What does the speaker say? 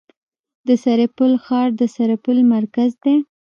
د سرپل ښار د سرپل مرکز دی